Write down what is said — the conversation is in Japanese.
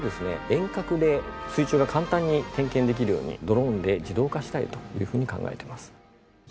遠隔で水中が簡単に点検できるようにドローンで自動化したいというふうに考えています。